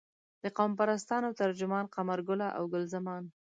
د قوم پرستانو ترجمان قمرګله او ګل زمان.